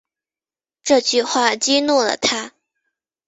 这句话激怒了他